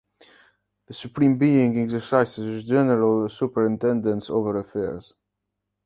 The Supreme Being exercises a general superintendence over affairs.